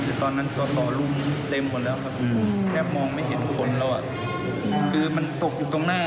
ก็ตรงนั้นตัวต่อรุ่นเต็มกว่าที่แค่มองไม่เห็นคนแล้วคือมันตกอยู่ตรงหน้า